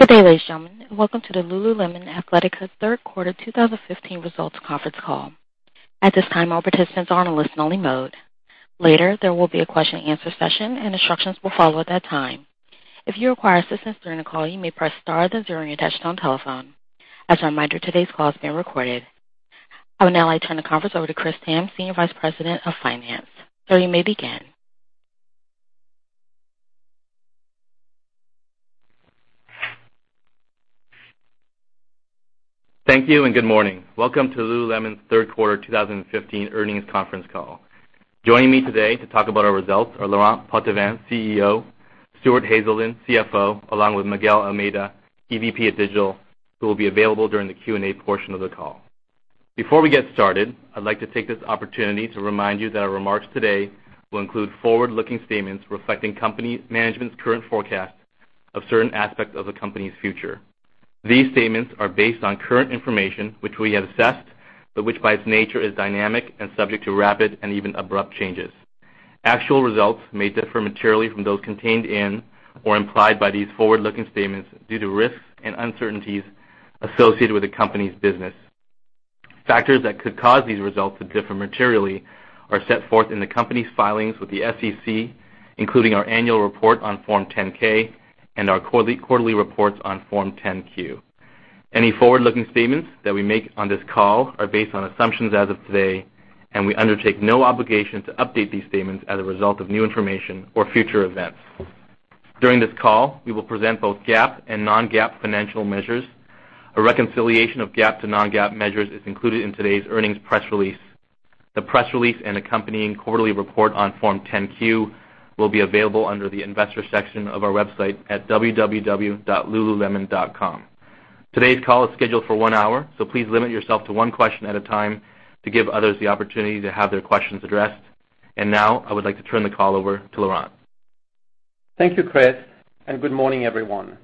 Good day, ladies and gentlemen. Welcome to the Lululemon Athletica third quarter 2015 results conference call. At this time, all participants are in a listen only mode. Later, there will be a question and answer session, and instructions will follow at that time. If you require assistance during the call, you may press star then zero on your touchtone telephone. As a reminder, today's call is being recorded. I would now like to turn the conference over to Chris Tham, Senior Vice President of Finance. Sir, you may begin. Thank you, and good morning. Welcome to Lululemon's third quarter 2015 earnings conference call. Joining me today to talk about our results are Laurent Potdevin, CEO; Stuart Haselden, CFO; along with Miguel Almeida, EVP of Digital, who will be available during the Q&A portion of the call. Before we get started, I'd like to take this opportunity to remind you that our remarks today will include forward-looking statements reflecting company management's current forecast of certain aspects of the company's future. These statements are based on current information, which we have assessed, but which by its nature is dynamic and subject to rapid and even abrupt changes. Actual results may differ materially from those contained in or implied by these forward-looking statements due to risks and uncertainties associated with the company's business. Factors that could cause these results to differ materially are set forth in the company's filings with the SEC, including our annual report on Form 10-K and our quarterly reports on Form 10-Q. Any forward-looking statements that we make on this call are based on assumptions as of today. We undertake no obligation to update these statements as a result of new information or future events. During this call, we will present both GAAP and non-GAAP financial measures. A reconciliation of GAAP to non-GAAP measures is included in today's earnings press release. The press release and accompanying quarterly report on Form 10-Q will be available under the investor section of our website at www.lululemon.com. Today's call is scheduled for one hour. Please limit yourself to one question at a time to give others the opportunity to have their questions addressed. Now, I would like to turn the call over to Laurent. Thank you, Chris, and good morning, everyone.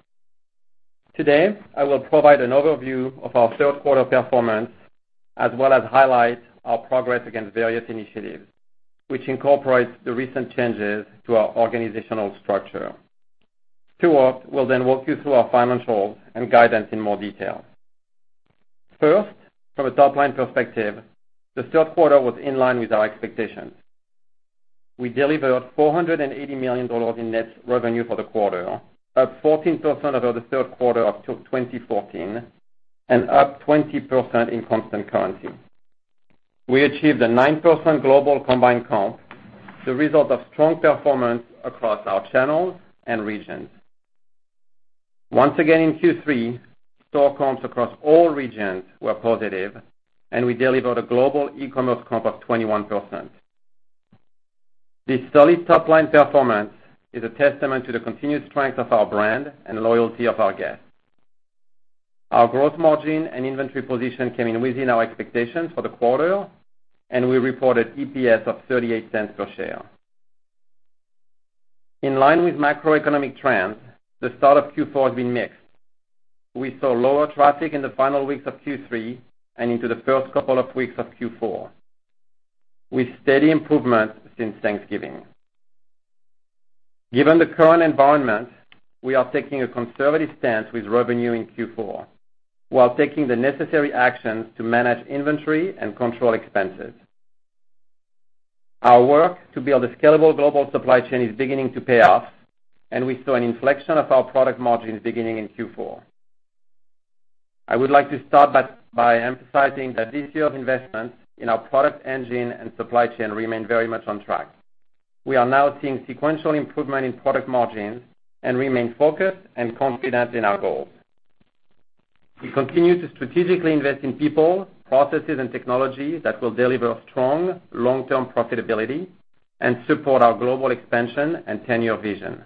Today, I will provide an overview of our third quarter performance, as well as highlight our progress against various initiatives, which incorporates the recent changes to our organizational structure. Stuart will walk you through our financials and guidance in more detail. From a top-line perspective, the third quarter was in line with our expectations. We delivered $480 million in net revenue for the quarter, up 14% over the third quarter up till 2014 and up 20% in constant currency. We achieved a 9% global combined comp, the result of strong performance across our channels and regions. Once again in Q3, store comps across all regions were positive, and we delivered a global e-commerce comp of 21%. This solid top-line performance is a testament to the continued strength of our brand and loyalty of our guests. Our growth margin and inventory position came in within our expectations for the quarter, and we reported EPS of $0.38 per share. In line with macroeconomic trends, the start of Q4 has been mixed. We saw lower traffic in the final weeks of Q3 and into the first couple of weeks of Q4, with steady improvement since Thanksgiving. Given the current environment, we are taking a conservative stance with revenue in Q4 while taking the necessary actions to manage inventory and control expenses. Our work to build a scalable global supply chain is beginning to pay off, and we saw an inflection of our product margins beginning in Q4. I would like to start by emphasizing that this year's investment in our product engine and supply chain remain very much on track. We are now seeing sequential improvement in product margins and remain focused and confident in our goals. We continue to strategically invest in people, processes, and technology that will deliver strong long-term profitability and support our global expansion and tenure vision.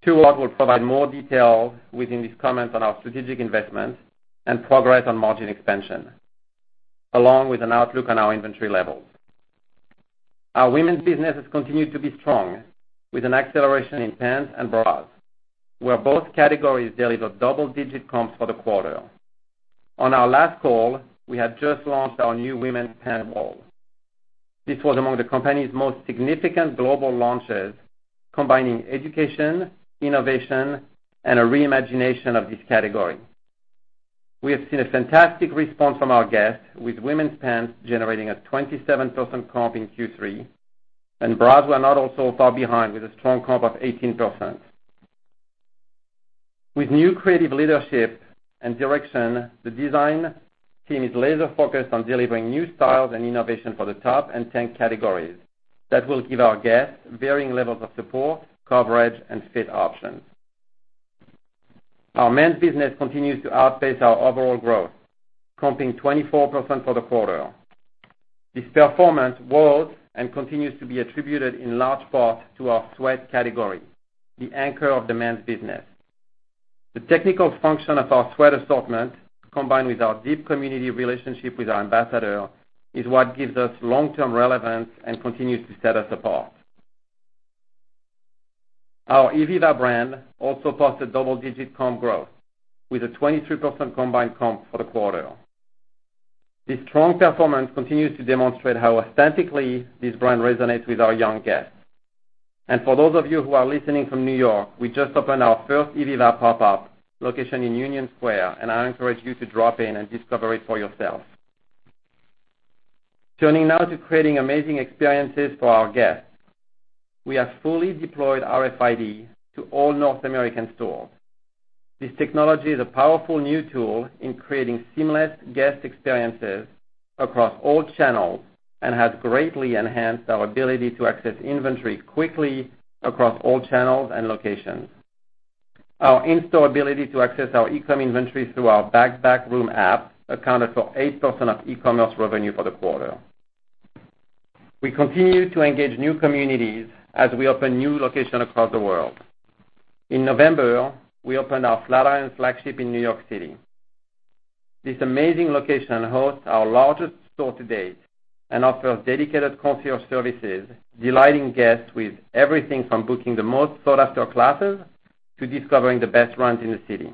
Stuart will provide more details within his comments on our strategic investments and progress on margin expansion, along with an outlook on our inventory levels. Our women's business has continued to be strong with an acceleration in pants and bras, where both categories delivered double-digit comps for the quarter. On our last call, we had just launched our new women's pant wall. This was among the company's most significant global launches, combining education, innovation, and a re-imagination of this category. We have seen a fantastic response from our guests, with women's pants generating a 27% comp in Q3, and bras were not also far behind with a strong comp of 18%. With new creative leadership and direction, the design team is laser-focused on delivering new styles and innovation for the top and pant categories that will give our guests varying levels of support, coverage, and fit options. Our men's business continues to outpace our overall growth, comping 24% for the quarter. This performance was and continues to be attributed in large part to our sweat category, the anchor of the men's business. The technical function of our sweat assortment, combined with our deep community relationship with our ambassador, is what gives us long-term relevance and continues to set us apart. Our Ivivva brand also posted double-digit comp growth with a 23% combined comp for the quarter. This strong performance continues to demonstrate how authentically this brand resonates with our young guests. For those of you who are listening from New York, we just opened our first Ivivva pop-up location in Union Square. I encourage you to drop in and discover it for yourself. Turning now to creating amazing experiences for our guests. We have fully deployed RFID to all North American stores. This technology is a powerful new tool in creating seamless guest experiences across all channels and has greatly enhanced our ability to access inventory quickly across all channels and locations. Our in-store ability to access our e-com inventory through our Back of rack app accounted for 8% of e-commerce revenue for the quarter. We continue to engage new communities as we open new locations across the world. In November, we opened our Flatiron flagship in New York City. This amazing location hosts our largest store to date and offers dedicated concierge services, delighting guests with everything from booking the most sought-after classes to discovering the best runs in the city.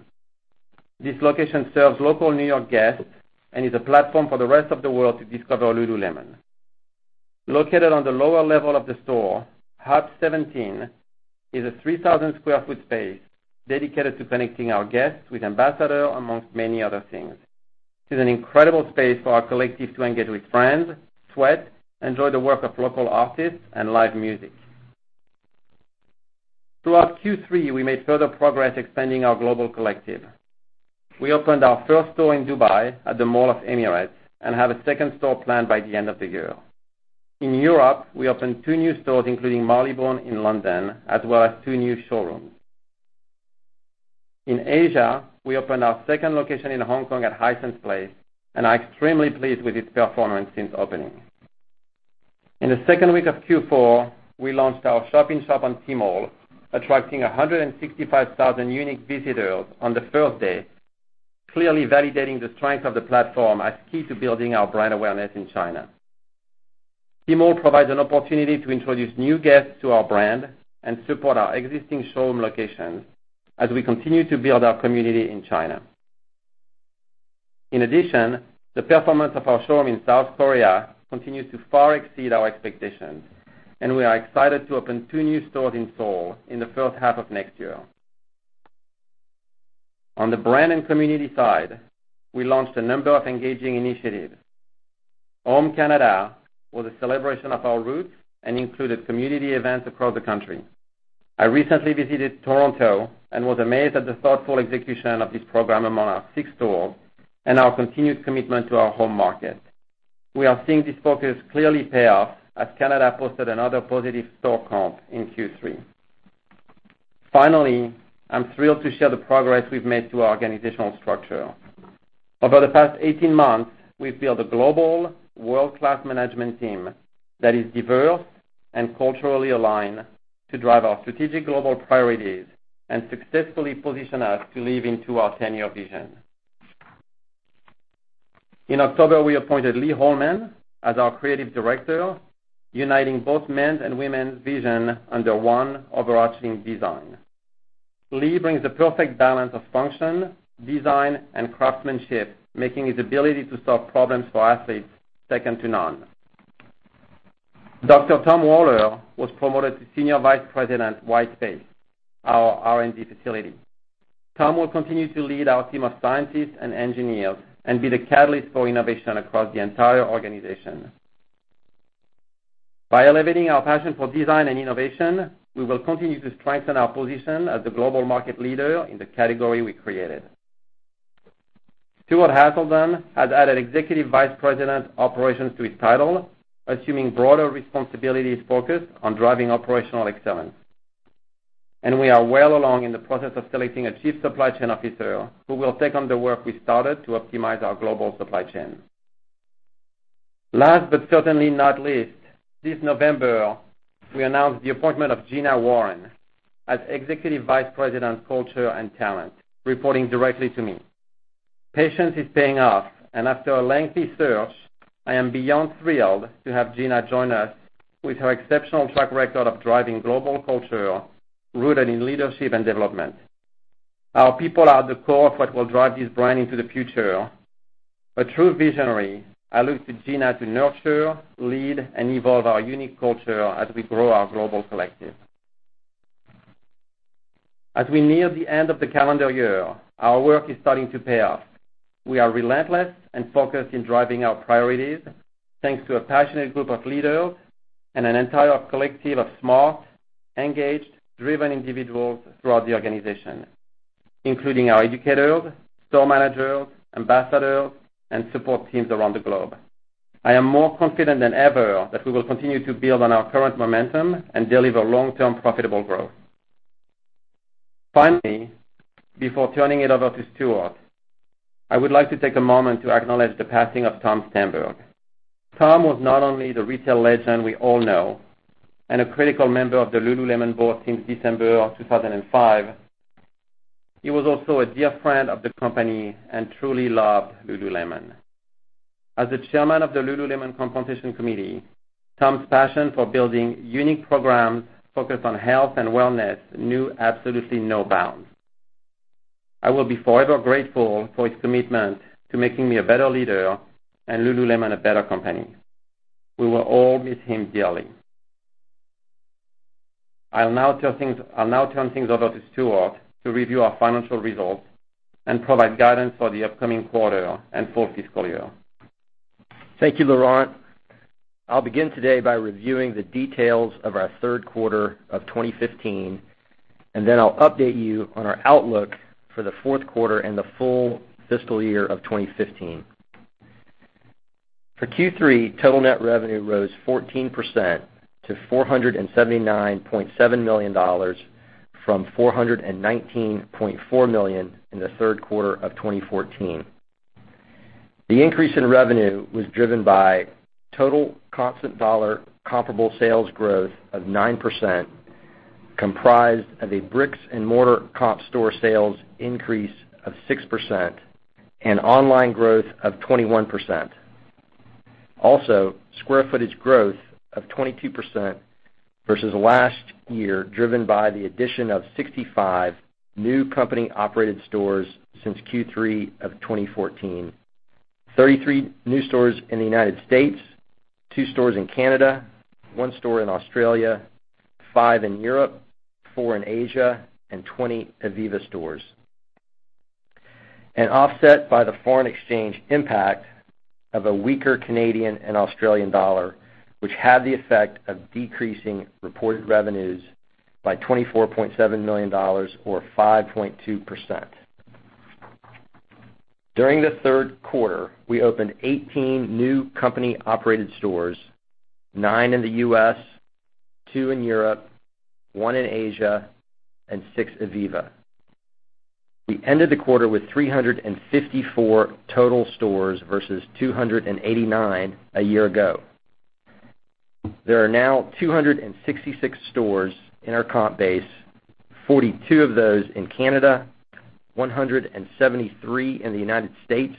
This location serves local New York guests and is a platform for the rest of the world to discover Lululemon. Located on the lower level of the store, Hub Seventeen is a 3,000 sq ft space dedicated to connecting our guests with ambassadors, amongst many other things. It is an incredible space for our collective to engage with friends, sweat, enjoy the work of local artists, and live music. Throughout Q3, we made further progress expanding our global collective. We opened our first store in Dubai at the Mall of the Emirates and have a second store planned by the end of the year. In Europe, we opened two new stores, including Marylebone in London, as well as two new showrooms. In Asia, we opened our second location in Hong Kong at Hysan Place and are extremely pleased with its performance since opening. In the second week of Q4, we launched our shop-in-shop on Tmall, attracting 165,000 unique visitors on the first day, clearly validating the strength of the platform as key to building our brand awareness in China. Tmall provides an opportunity to introduce new guests to our brand and support our existing showroom locations as we continue to build our community in China. The performance of our showroom in South Korea continues to far exceed our expectations. We are excited to open two new stores in Seoul in the first half of next year. On the brand and community side, we launched a number of engaging initiatives. Home Canada was a celebration of our roots and included community events across the country. I recently visited Toronto and was amazed at the thoughtful execution of this program among our six stores and our continued commitment to our home market. We are seeing this focus clearly pay off as Canada posted another positive store comp in Q3. I'm thrilled to share the progress we've made to our organizational structure. Over the past 18 months, we've built a global world-class management team that is diverse and culturally aligned to drive our strategic global priorities and successfully position us to live into our 10-year vision. In October, we appointed Lee Holman as our Creative Director, uniting both men's and women's vision under one overarching design. Lee brings the perfect balance of function, design, and craftsmanship, making his ability to solve problems for athletes second to none. Dr. Tom Waller was promoted to Senior Vice President at Whitespace, our R&D facility. Tom will continue to lead our team of scientists and engineers and be the catalyst for innovation across the entire organization. By elevating our passion for design and innovation, we will continue to strengthen our position as the global market leader in the category we created. Stuart Haselden has added Executive Vice President Operations to his title, assuming broader responsibilities focused on driving operational excellence. We are well along in the process of selecting a Chief Supply Chain Officer who will take on the work we started to optimize our global supply chain. Last but certainly not least, this November, we announced the appointment of Gina Warren as Executive Vice President, Culture and Talent, reporting directly to me. Patience is paying off. After a lengthy search, I am beyond thrilled to have Gina join us with her exceptional track record of driving global culture rooted in leadership and development. Our people are the core of what will drive this brand into the future. A true visionary, I look to Gina to nurture, lead, and evolve our unique culture as we grow our global collective. As we near the end of the calendar year, our work is starting to pay off. We are relentless and focused on driving our priorities, thanks to a passionate group of leaders and an entire collective of smart, engaged, driven individuals throughout the organization, including our educators, store managers, ambassadors, and support teams around the globe. I am more confident than ever that we will continue to build on our current momentum and deliver long-term profitable growth. Finally, before turning it over to Stuart, I would like to take a moment to acknowledge the passing of Tom Stemberg. Tom was not only the retail legend we all know and a critical member of the Lululemon Board since December of 2005. He was also a dear friend of the company and truly loved Lululemon. As the Chairman of the lululemon Compensation Committee, Tom's passion for building unique programs focused on health and wellness knew absolutely no bounds. I will be forever grateful for his commitment to making me a better leader and Lululemon a better company. We will all miss him dearly. I'll now turn things over to Stuart to review our financial results and provide guidance for the upcoming quarter and full fiscal year. Thank you, Laurent. I'll begin today by reviewing the details of our third quarter of 2015. I'll update you on our outlook for the fourth quarter and the full fiscal year of 2015. For Q3, total net revenue rose 14% to $479.7 million from $419.4 million in the third quarter of 2014. The increase in revenue was driven by total constant dollar comparable sales growth of 9%, comprised of a bricks-and-mortar comp store sales increase of 6% and online growth of 21%. Also, square footage growth of 22% versus last year, driven by the addition of 65 new company-operated stores since Q3 of 2014: 33 new stores in the United States, two stores in Canada, one store in Australia, five in Europe, four in Asia, and 20 Ivivva stores. Offset by the foreign exchange impact of a weaker Canadian and Australian dollar, which had the effect of decreasing reported revenues by $24.7 million or 5.2%. During the third quarter, we opened 18 new company-operated stores, nine in the U.S., two in Europe, one in Asia, and six Ivivva. We ended the quarter with 354 total stores versus 289 a year ago. There are now 266 stores in our comp base, 42 of those in Canada, 173 in the United States,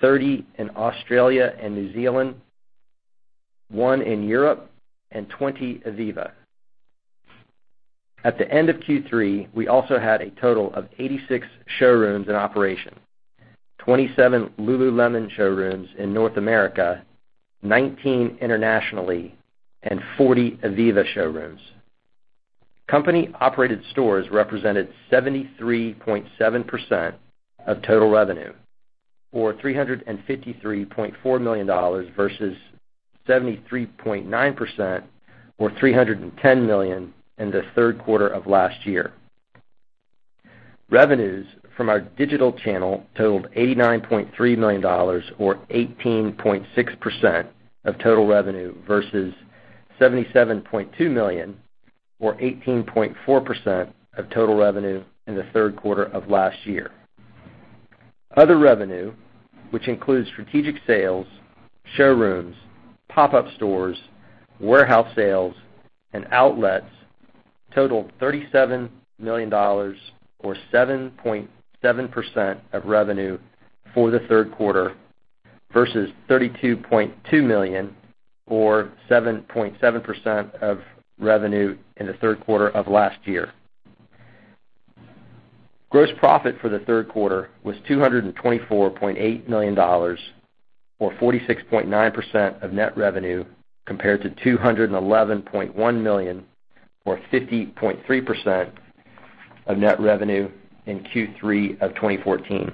30 in Australia and New Zealand, one in Europe, and 20 Ivivva. At the end of Q3, we also had a total of 86 showrooms in operation, 27 Lululemon showrooms in North America, 19 internationally, and 40 Ivivva showrooms. Company-operated stores represented 73.7% of total revenue, or $353.4 million versus 73.9%, or $310 million in the third quarter of last year. Revenues from our digital channel totaled $89.3 million or 18.6% of total revenue versus $77.2 million or 18.4% of total revenue in the third quarter of last year. Other revenue, which includes strategic sales, showrooms, pop-up stores, warehouse sales, and outlets totaled $37 million or 7.7% of revenue for the third quarter versus $32.2 million or 7.7% of revenue in the third quarter of last year. Gross profit for the third quarter was $224.8 million or 46.9% of net revenue, compared to $211.1 million or 50.3% of net revenue in Q3 of 2014.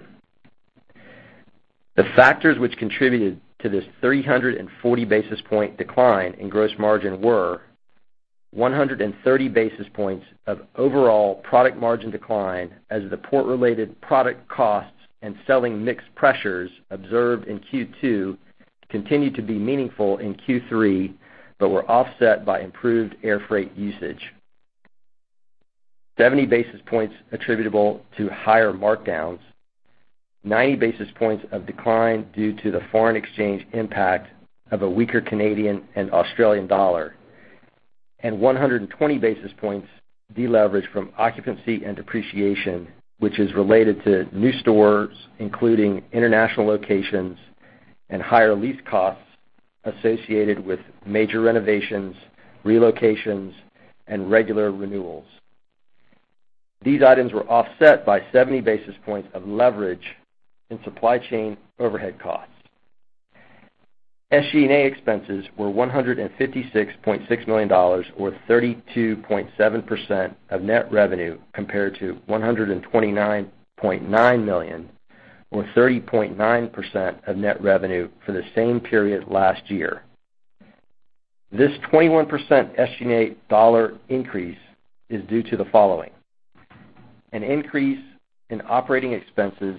The factors which contributed to this 340-basis point decline in gross margin were 130 basis points of overall product margin decline as the port-related product costs and selling mix pressures observed in Q2 continued to be meaningful in Q3, but were offset by improved air freight usage. 70 basis points attributable to higher markdowns. 90 basis points of decline due to the foreign exchange impact of a weaker Canadian and Australian dollar. 120 basis points deleverage from occupancy and depreciation, which is related to new stores, including international locations and higher lease costs associated with major renovations, relocations, and regular renewals. These items were offset by 70 basis points of leverage in supply chain overhead costs. SG&A expenses were $156.6 million or 32.7% of net revenue, compared to $129.9 million or 30.9% of net revenue for the same period last year. This 21% SG&A dollar increase is due to the following. An increase in operating expenses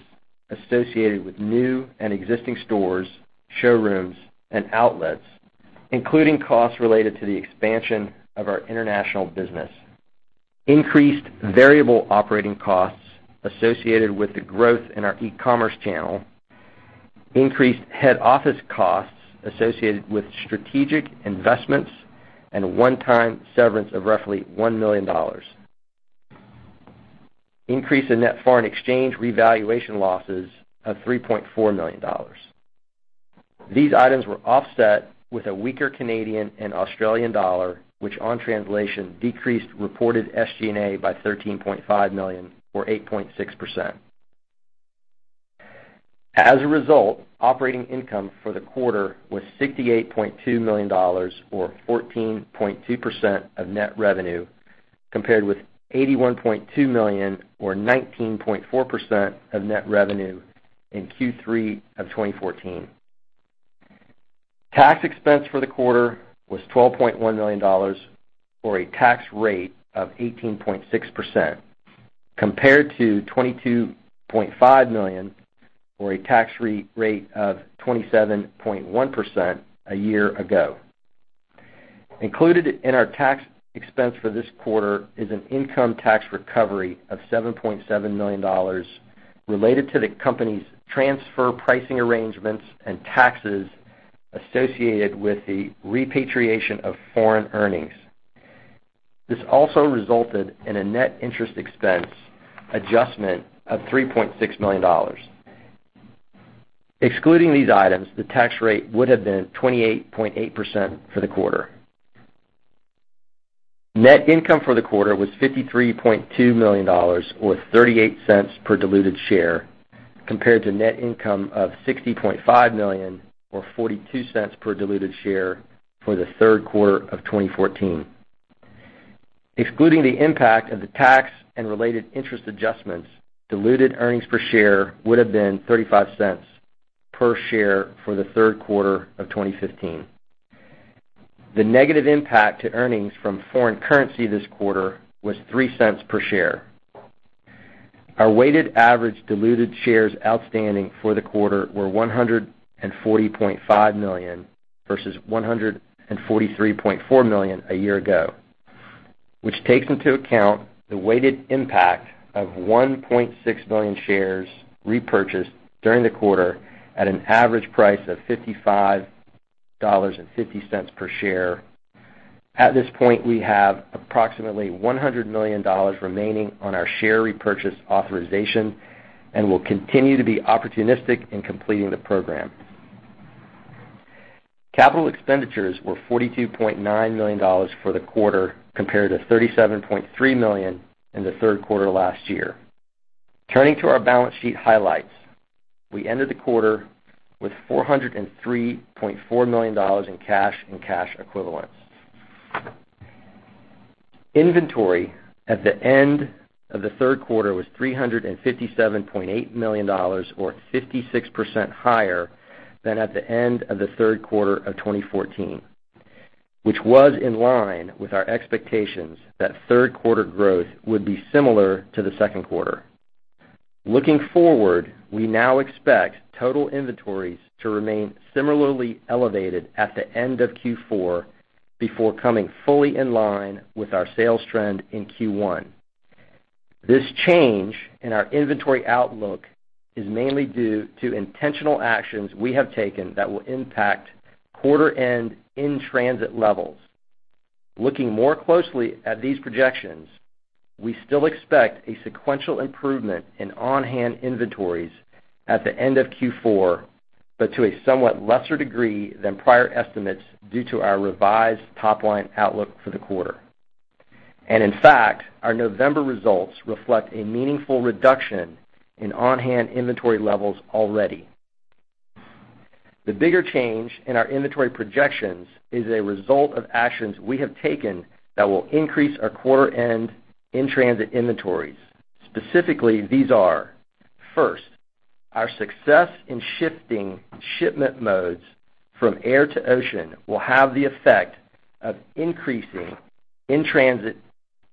associated with new and existing stores, showrooms, and outlets, including costs related to the expansion of our international business. Increased variable operating costs associated with the growth in our e-commerce channel. Increased head office costs associated with strategic investments and a one-time severance of roughly $1 million. Increase in net foreign exchange revaluation losses of $3.4 million. These items were offset with a weaker Canadian and Australian dollar, which on translation decreased reported SG&A by $13.5 million or 8.6%. As a result, operating income for the quarter was $68.2 million or 14.2% of net revenue, compared with $81.2 million or 19.4% of net revenue in Q3 of 2014. Tax expense for the quarter was $12.1 million, or a tax rate of 18.6%, compared to $22.5 million or a tax rate of 27.1% a year ago. Included in our tax expense for this quarter is an income tax recovery of $7.7 million related to the company's transfer pricing arrangements and taxes associated with the repatriation of foreign earnings. This also resulted in a net interest expense adjustment of $3.6 million. Excluding these items, the tax rate would have been 28.8% for the quarter. Net income for the quarter was $53.2 million or $0.38 per diluted share, compared to net income of $60.5 million or $0.42 per diluted share for the third quarter of 2014. Excluding the impact of the tax and related interest adjustments, diluted earnings per share would have been $0.35 per share for the third quarter of 2015. The negative impact to earnings from foreign currency this quarter was $0.03 per share. Our weighted average diluted shares outstanding for the quarter were 140.5 million versus 143.4 million a year ago, which takes into account the weighted impact of 1.6 million shares repurchased during the quarter at an average price of $55.50 per share. At this point, we have approximately $100 million remaining on our share repurchase authorization and will continue to be opportunistic in completing the program. Capital expenditures were $42.9 million for the quarter, compared to $37.3 million in the third quarter last year. Turning to our balance sheet highlights. We ended the quarter with $403.4 million in cash and cash equivalents. Inventory at the end of the third quarter was $357.8 million or 56% higher than at the end of the third quarter of 2014, which was in line with our expectations that third quarter growth would be similar to the second quarter. Looking forward, we now expect total inventories to remain similarly elevated at the end of Q4 before coming fully in line with our sales trend in Q1. This change in our inventory outlook is mainly due to intentional actions we have taken that will impact quarter-end in-transit levels. Looking more closely at these projections, we still expect a sequential improvement in on-hand inventories at the end of Q4, but to a somewhat lesser degree than prior estimates due to our revised top-line outlook for the quarter. In fact, our November results reflect a meaningful reduction in on-hand inventory levels already. The bigger change in our inventory projections is a result of actions we have taken that will increase our quarter-end in-transit inventories. Specifically, these are: First, our success in shifting shipment modes from air to ocean will have the effect of increasing in-transit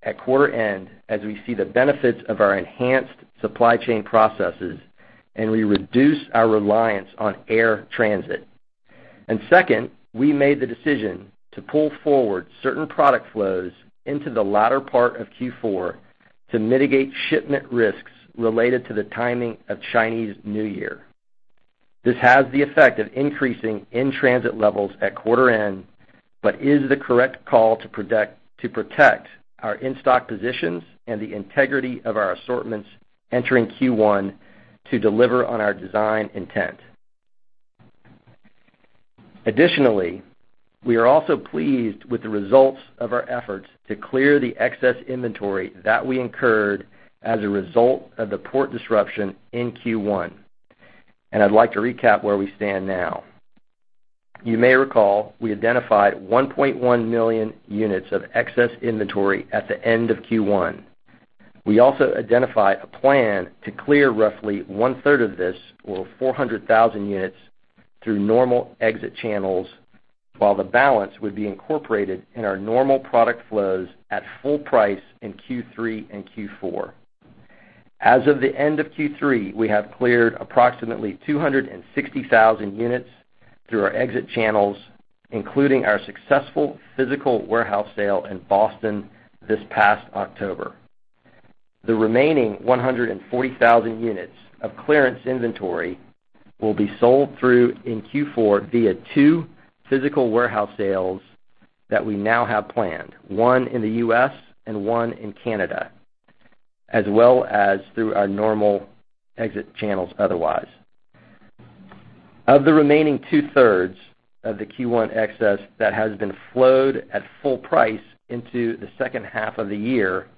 at quarter-end as we see the benefits of our enhanced supply chain processes and we reduce our reliance on air transit. Second, we made the decision to pull forward certain product flows into the latter part of Q4 to mitigate shipment risks related to the timing of Chinese New Year. This has the effect of increasing in-transit levels at quarter-end, but is the correct call to protect our in-stock positions and the integrity of our assortments entering Q1 to deliver on our design intent. Additionally, we are also pleased with the results of our efforts to clear the excess inventory that we incurred as a result of the port disruption in Q1. I'd like to recap where we stand now. You may recall we identified 1.1 million units of excess inventory at the end of Q1. We also identified a plan to clear roughly one-third of this, or 400,000 units, through normal exit channels while the balance would be incorporated in our normal product flows at full price in Q3 and Q4. As of the end of Q3, we have cleared approximately 260,000 units through our exit channels, including our successful physical warehouse sale in Boston this past October. The remaining 140,000 units of clearance inventory will be sold through in Q4 via two physical warehouse sales that we now have planned, one in the U.S. and one in Canada, as well as through our normal exit channels, otherwise. Of the remaining two-thirds of the Q1 excess that has been flowed at full price into the second half of the year,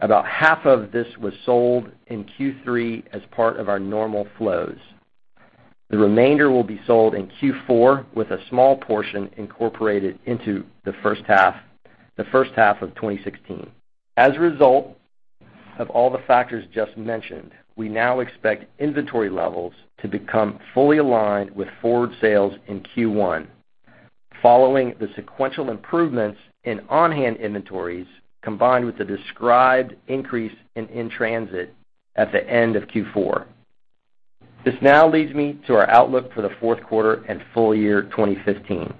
about half of this was sold in Q3 as part of our normal flows. The remainder will be sold in Q4, with a small portion incorporated into the first half of 2016. As a result of all the factors just mentioned, we now expect inventory levels to become fully aligned with forward sales in Q1, following the sequential improvements in on-hand inventories, combined with the described increase in transit at the end of Q4. This now leads me to our outlook for the fourth quarter and full year 2015.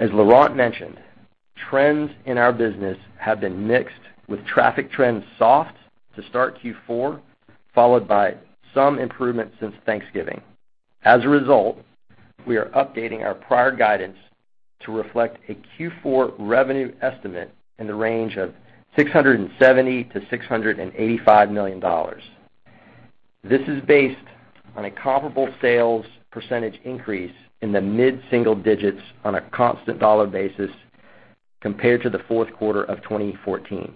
As Laurent mentioned, trends in our business have been mixed, with traffic trends soft to start Q4, followed by some improvement since Thanksgiving. As a result, we are updating our prior guidance to reflect a Q4 revenue estimate in the range of $670 million-$685 million. This is based on a comparable sales percentage increase in the mid-single digits on a constant dollar basis compared to the fourth quarter of 2014,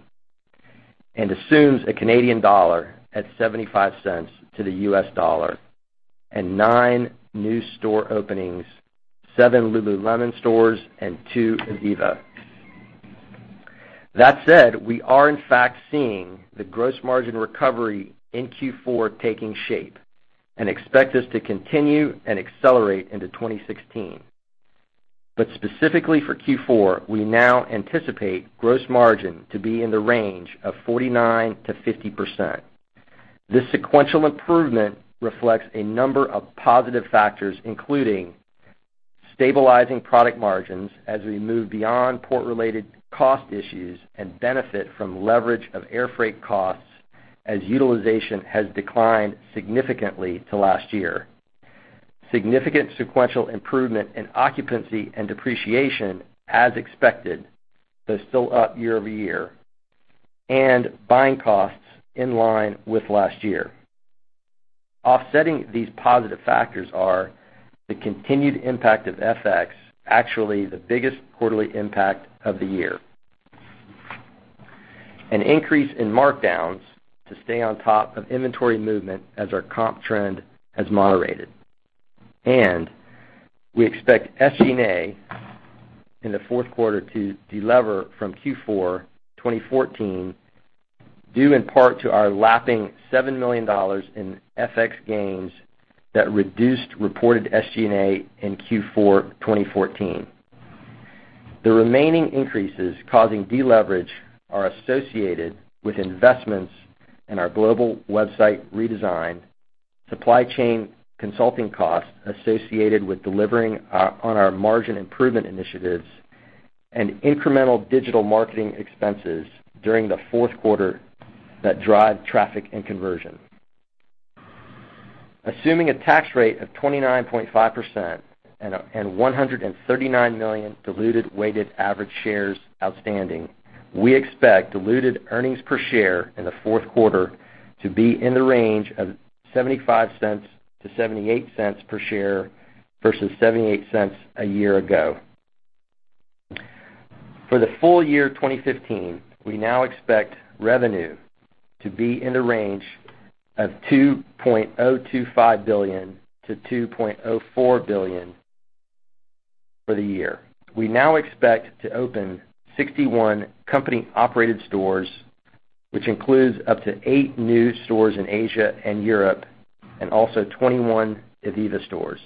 and assumes a Canadian dollar at $0.75 to the U.S. dollar and nine new store openings, seven Lululemon stores and two Ivivva. That said, we are in fact seeing the gross margin recovery in Q4 taking shape, and expect this to continue and accelerate into 2016. But specifically for Q4, we now anticipate gross margin to be in the range of 49%-50%. This sequential improvement reflects a number of positive factors, including stabilizing product margins as we move beyond port-related cost issues and benefit from leverage of air freight costs, as utilization has declined significantly to last year. Significant sequential improvement in occupancy and depreciation as expected, though still up year-over-year, and buying costs in line with last year. Offsetting these positive factors are the continued impact of FX, actually the biggest quarterly impact of the year. An increase in markdowns to stay on top of inventory movement as our comp trend has moderated. And we expect SG&A in the fourth quarter to delever from Q4 2014, due in part to our lapping $7 million in FX gains that reduced reported SG&A in Q4 2014. The remaining increases causing deleverage are associated with investments in our global website redesign, supply chain consulting costs associated with delivering on our margin improvement initiatives, and incremental digital marketing expenses during the fourth quarter that drive traffic and conversion. Assuming a tax rate of 29.5% and 139 million diluted weighted average shares outstanding, we expect diluted earnings per share in the fourth quarter to be in the range of $0.75-$0.78 per share versus $0.78 a year ago. For the full year 2015, we now expect revenue to be in the range of $2.025 billion-$2.04 billion for the year. We now expect to open 61 company-operated stores, which includes up to eight new stores in Asia and Europe, and also 21 Ivivva stores.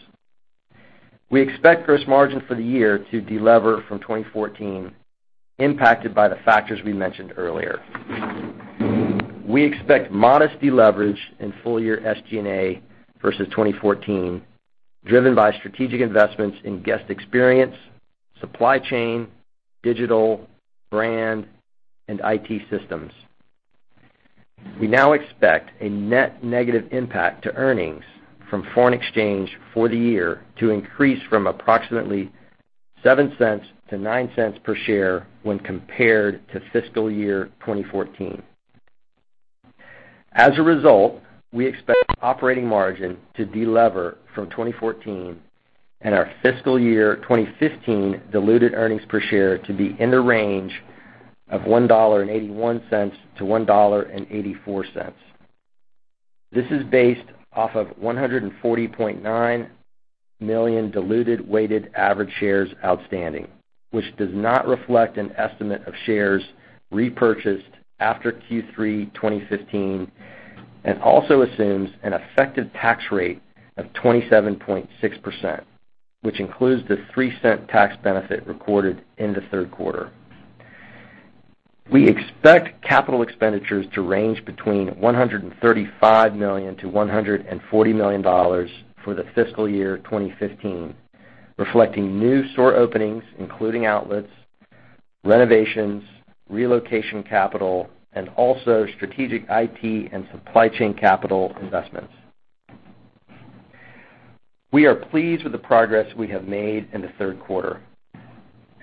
We expect gross margin for the year to delever from 2014, impacted by the factors we mentioned earlier. We expect modest deleverage in full-year SG&A versus 2014, driven by strategic investments in guest experience, supply chain, digital, brand, and IT systems. We now expect a net negative impact to earnings from foreign exchange for the year to increase from approximately $0.07-$0.09 per share when compared to fiscal year 2014. As a result, we expect operating margin to delever from 2014 and our fiscal year 2015 diluted earnings per share to be in the range of $1.81-$1.84. This is based off of 140.9 million diluted weighted average shares outstanding, which does not reflect an estimate of shares repurchased after Q3 2015, and also assumes an effective tax rate of 27.6%, which includes the $0.03 tax benefit recorded in the third quarter. We expect capital expenditures to range between $135 million-$140 million for the fiscal year 2015, reflecting new store openings, including outlets, renovations, relocation capital, and also strategic IT and supply chain capital investments. We are pleased with the progress we have made in the third quarter.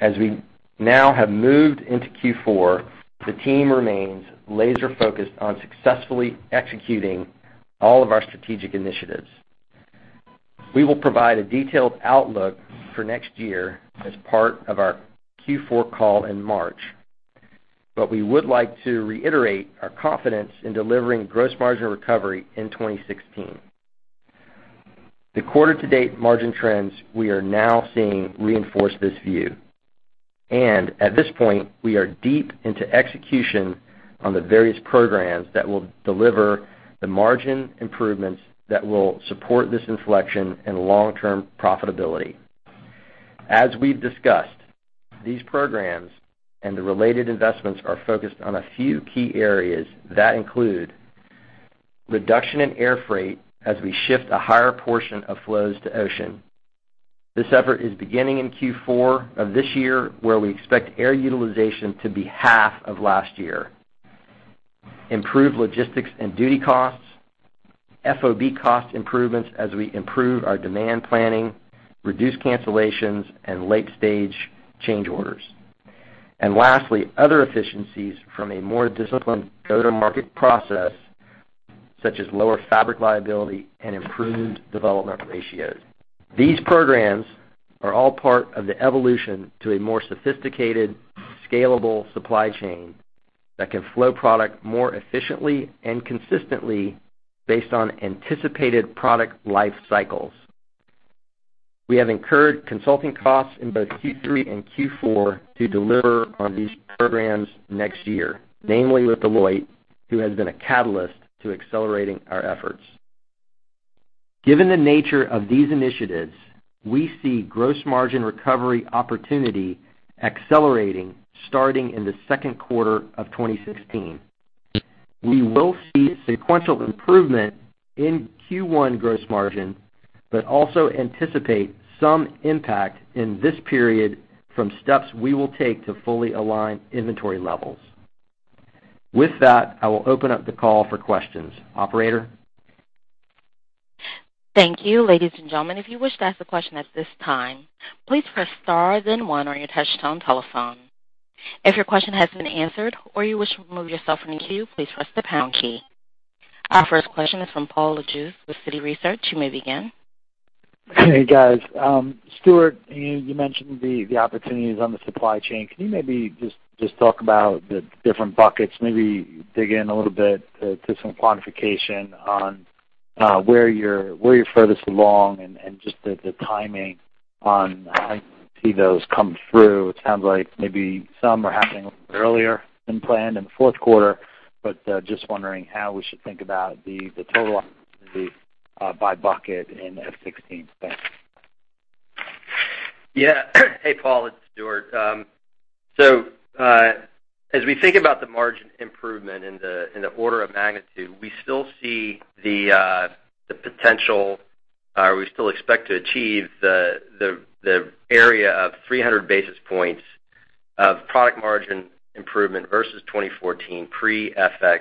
As we now have moved into Q4, the team remains laser-focused on successfully executing all of our strategic initiatives. We will provide a detailed outlook for next year as part of our Q4 call in March, we would like to reiterate our confidence in delivering gross margin recovery in 2016. The quarter to date margin trends we are now seeing reinforce this view. At this point, we are deep into execution on the various programs that will deliver the margin improvements that will support this inflection and long-term profitability. As we've discussed, these programs and the related investments are focused on a few key areas that include reduction in air freight as we shift a higher portion of flows to ocean. This effort is beginning in Q4 of this year, where we expect air utilization to be half of last year. Improved logistics and duty costs, FOB cost improvements as we improve our demand planning, reduce cancellations, and late-stage change orders. Lastly, other efficiencies from a more disciplined go-to-market process, such as lower fabric liability and improved development ratios. These programs are all part of the evolution to a more sophisticated, scalable supply chain that can flow product more efficiently and consistently based on anticipated product life cycles. We have incurred consulting costs in both Q3 and Q4 to deliver on these programs next year, namely with Deloitte, who has been a catalyst to accelerating our efforts. Given the nature of these initiatives, we see gross margin recovery opportunity accelerating, starting in the second quarter of 2016. We will see sequential improvement in Q1 gross margin, also anticipate some impact in this period from steps we will take to fully align inventory levels. With that, I will open up the call for questions. Operator? Thank you. Ladies and gentlemen, if you wish to ask a question at this time, please press star then one on your touchtone telephone. If your question has been answered or you wish to remove yourself from the queue, please press the pound key. Our first question is from Paul Lejuez with Citi Research. You may begin. Hey, guys. Stuart, you mentioned the opportunities on the supply chain. Can you maybe just talk about the different buckets? Maybe dig in a little bit to some quantification on where you're furthest along and just the timing on how you see those come through. It sounds like maybe some are happening a little bit earlier than planned in the fourth quarter, just wondering how we should think about the total opportunity by bucket in FY 2016. Thanks. Yeah. Hey, Paul, it's Stuart. As we think about the margin improvement in the order of magnitude, we still see the potential or we still expect to achieve the area of 300 basis points of product margin improvement versus 2014 pre-FX.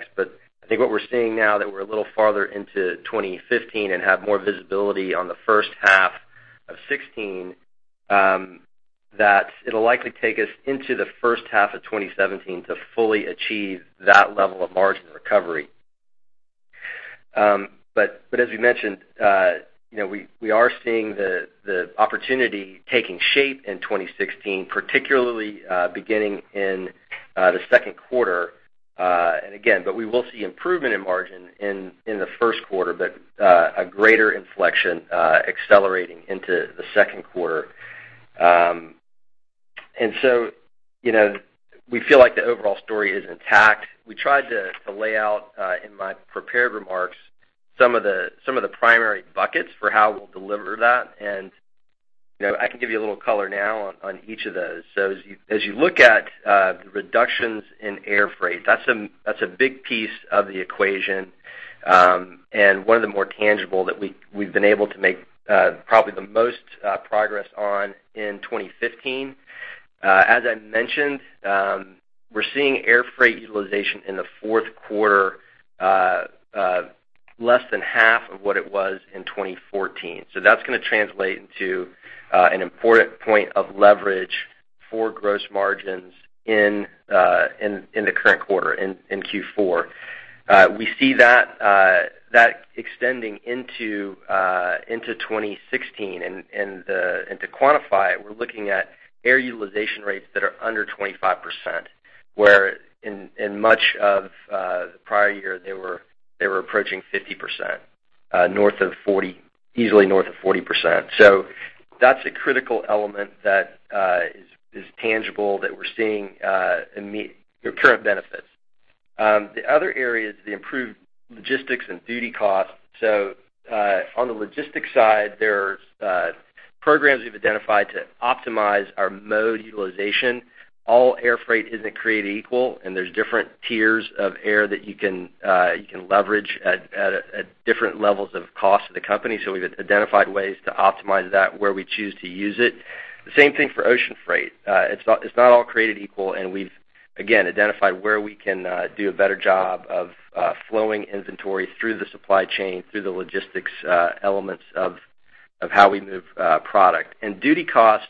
I think what we're seeing now that we're a little farther into 2015 and have more visibility on the first half of 2016, that it'll likely take us into the first half of 2017 to fully achieve that level of margin recovery. As we mentioned, we are seeing the opportunity taking shape in 2016, particularly beginning in the second quarter. Again, we will see improvement in margin in the first quarter, a greater inflection accelerating into the second quarter. We feel like the overall story is intact. We tried to lay out, in my prepared remarks, some of the primary buckets for how we'll deliver that, I can give you a little color now on each of those. As you look at the reductions in air freight, that's a big piece of the equation and one of the more tangible that we've been able to make probably the most progress on in 2015. As I mentioned, we're seeing air freight utilization in the fourth quarter less than half of what it was in 2014. That's going to translate into an important point of leverage for gross margins in the current quarter, in Q4. We see that extending into 2016. To quantify it, we're looking at air utilization rates that are under 25%, where in much of the prior year, they were approaching 50%, easily north of 40%. That's a critical element that is tangible, that we're seeing current benefits. The other area is the improved logistics and duty costs. On the logistics side, there's programs we've identified to optimize our mode utilization. All air freight isn't created equal, and there's different tiers of air that you can leverage at different levels of cost to the company. We've identified ways to optimize that, where we choose to use it. The same thing for ocean freight. It's not all created equal, and we've identified where we can do a better job of flowing inventory through the supply chain, through the logistics elements of how we move product. Duty costs,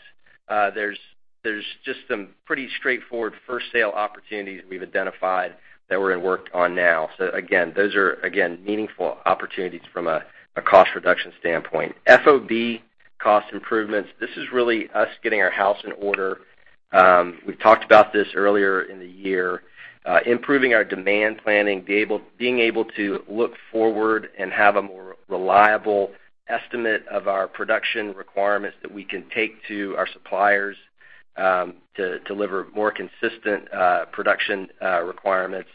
there's just some pretty straightforward first sale opportunities we've identified that we're at work on now. Those are, again, meaningful opportunities from a cost reduction standpoint. FOB cost improvements, this is really us getting our house in order. We've talked about this earlier in the year. Improving our demand planning, being able to look forward and have a more reliable estimate of our production requirements that we can take to our suppliers to deliver more consistent production requirements,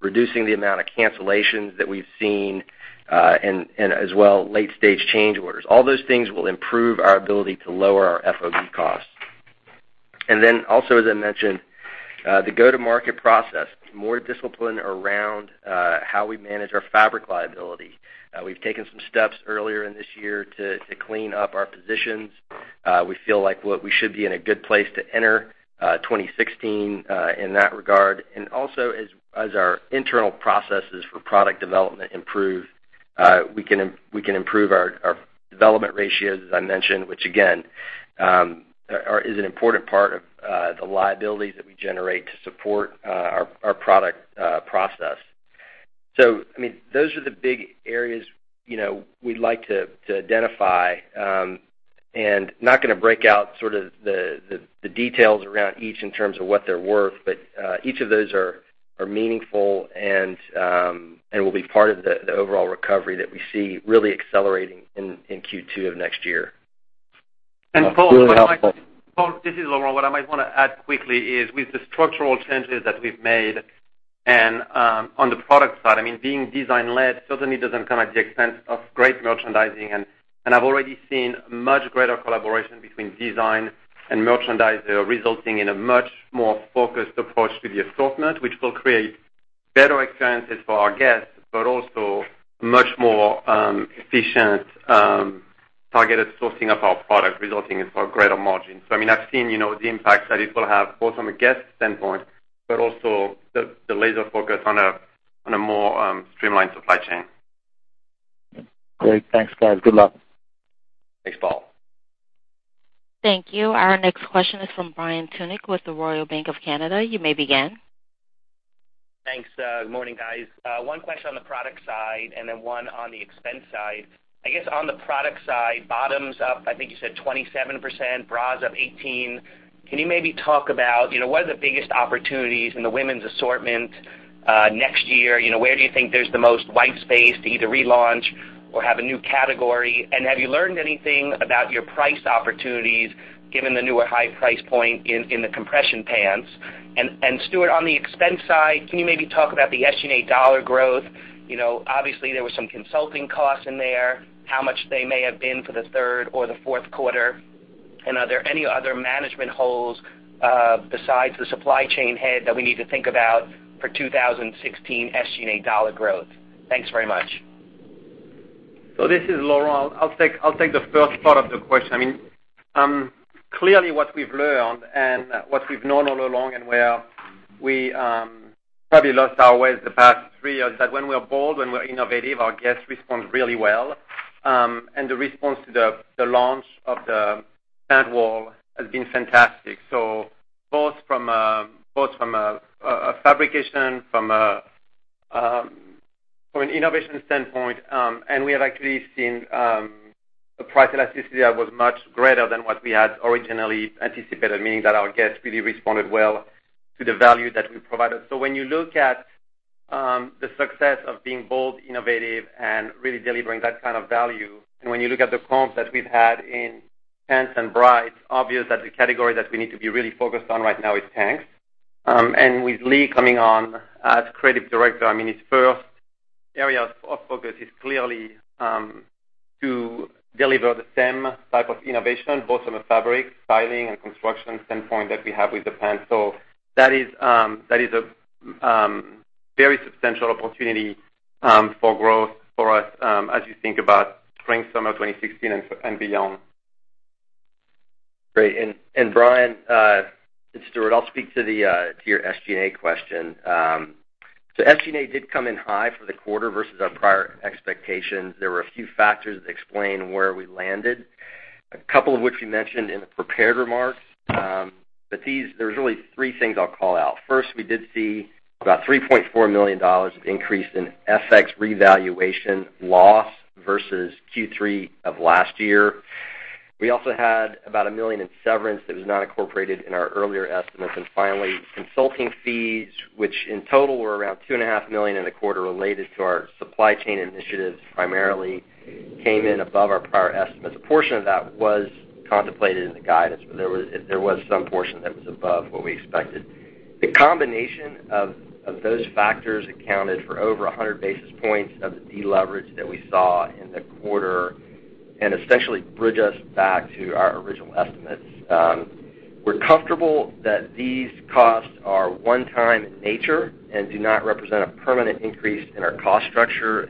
reducing the amount of cancellations that we've seen, and as well, late stage change orders. All those things will improve our ability to lower our FOB costs. Also, as I mentioned, the go-to-market process. More discipline around how we manage our fabric liability. We've taken some steps earlier in this year to clean up our positions. We feel like we should be in a good place to enter 2016 in that regard. Also, as our internal processes for product development improve, we can improve our development ratios, as I mentioned, which again is an important part of the liabilities that we generate to support our product process. Those are the big areas we'd like to identify. Not going to break out the details around each in terms of what they're worth, but each of those are meaningful and will be part of the overall recovery that we see really accelerating in Q2 of next year. Paul. Really helpful. Paul, this is Laurent. What I might want to add quickly is with the structural changes that we've made and on the product side, being design led certainly doesn't come at the expense of great merchandising. I've already seen much greater collaboration between design and merchandiser, resulting in a much more focused approach to the assortment, which will create better experiences for our guests, but also much more efficient targeted sourcing of our product, resulting in far greater margins. I've seen the impacts that it will have both from a guest standpoint, but also the laser focus on a more streamlined supply chain. Great. Thanks, guys. Good luck. Thanks, Paul. Thank you. Our next question is from Brian Tunick with the Royal Bank of Canada. You may begin. Thanks. Good morning, guys. One question on the product side and then one on the expense side. I guess on the product side, bottoms up, I think you said 27%, bras up 18%. Can you maybe talk about, what are the biggest opportunities in the women's assortment next year? Where do you think there's the most white space to either relaunch or have a new category? Have you learned anything about your price opportunities given the newer high price point in the compression pants? Stuart, on the expense side, can you maybe talk about the SG&A dollar growth? Obviously, there were some consulting costs in there, how much they may have been for the third or the fourth quarter, and are there any other management holes besides the supply chain head that we need to think about for 2016 SG&A dollar growth? Thanks very much. This is Laurent. I'll take the first part of the question. Clearly what we've learned and what we've known all along and where we probably lost our ways the past three years, is that when we are bold, when we're innovative, our guests respond really well. The response to the launch of the pant wall has been fantastic, both from a fabrication, from an innovation standpoint. We have actually seen the price elasticity was much greater than what we had originally anticipated, meaning that our guests really responded well to the value that we provided. When you look at the success of being bold, innovative, and really delivering that kind of value, and when you look at the comps that we've had in pants and bra, it's obvious that the category that we need to be really focused on right now is tanks. With Lee coming on as creative director, his first area of focus is clearly to deliver the same type of innovation, both from a fabric styling and construction standpoint that we have with the pants. That is a very substantial opportunity for growth for us as you think about spring, summer 2016 and beyond. Great. Brian, it's Stuart. I'll speak to your SG&A question. SG&A did come in high for the quarter versus our prior expectations. There were a few factors that explain where we landed. A couple of which we mentioned in the prepared remarks. There's really three things I'll call out. First, we did see about $3.4 million of increase in FX revaluation loss versus Q3 of last year. We also had about $1 million in severance that was not incorporated in our earlier estimates. Finally, consulting fees, which in total were around $two and a half million in the quarter related to our supply chain initiatives, primarily came in above our prior estimates. A portion of that was contemplated in the guidance, but there was some portion that was above what we expected. The combination of those factors accounted for over 100 basis points of the deleverage that we saw in the quarter, essentially bridge us back to our original estimates. We're comfortable that these costs are one time in nature and do not represent a permanent increase in our cost structure.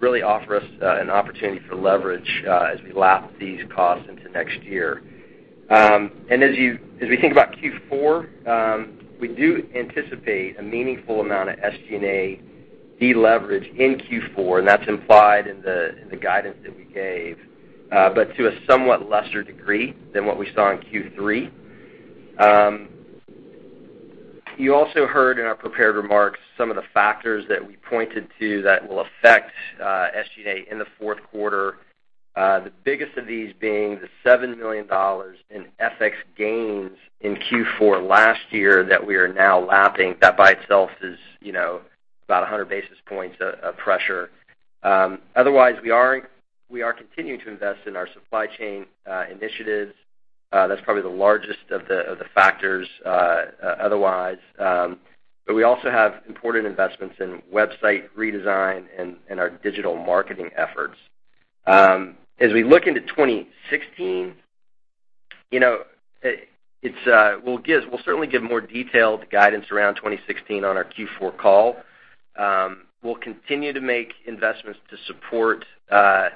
Really offer us an opportunity for leverage as we lap these costs into next year. As we think about Q4, we do anticipate a meaningful amount of SG&A deleverage in Q4, and that's implied in the guidance that we gave, but to a somewhat lesser degree than what we saw in Q3. You also heard in our prepared remarks some of the factors that we pointed to that will affect SG&A in the fourth quarter. The biggest of these being the $7 million in FX gains in Q4 last year that we are now lapping. That by itself is about 100 basis points of pressure. Otherwise, we are continuing to invest in our supply chain initiatives. That's probably the largest of the factors otherwise. We also have important investments in website redesign and our digital marketing efforts. As we look into 2016, we'll certainly give more detailed guidance around 2016 on our Q4 call. We'll continue to make investments to support the